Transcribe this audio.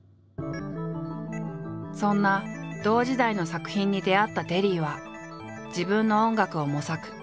そんな同時代の作品に出会ったテリーは自分の音楽を模索。